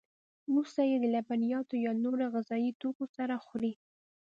وروسته یې د لبنیاتو یا نورو غذایي توکو سره خوري.